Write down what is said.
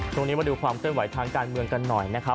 ตรงนี้มาดูความเต้นไหวทางการเมืองกันหน่อยนะครับ